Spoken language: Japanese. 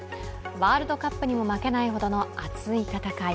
ワールドカップにも負けないほどの熱い戦い。